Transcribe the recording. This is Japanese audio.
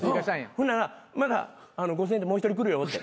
ほんならまた５，０００円でもう一人来るよって。